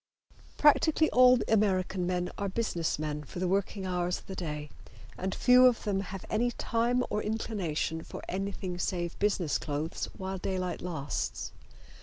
Practically all American men are business men for the working hours of the day, and few of them have any time or inclination for anything save business clothes while daylight lasts.